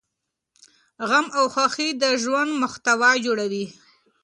غم او خوښي د ژوند محتوا جوړوي.